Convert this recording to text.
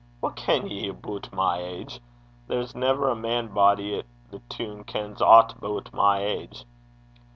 'What ken ye aboot my age? There's never a man body i' the toon kens aught aboot my age.'